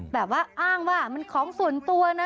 แบบว่าอ้างว่ามันของส่วนตัวนะ